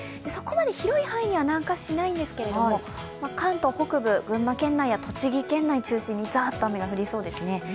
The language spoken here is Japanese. そこまで広い範囲には南下しないんですけど関東北部、群馬県内や栃木県内を中心にざーっと雨が降りそうですね。